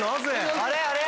あれ？